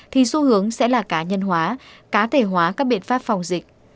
thì xu hướng sẽ là cá nhân hóa cá thể hóa các biện pháp phòng dịch